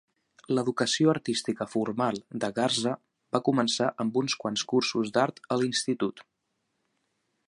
L'educació artística formal de Garza va començar amb uns quants cursos d'art a l'institut.